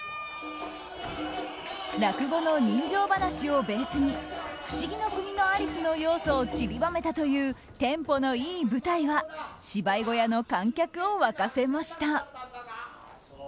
落語の人情噺をベースに「不思議の国のアリス」の要素を散りばめたというテンポのいい舞台は芝居小屋の観客を沸かせました。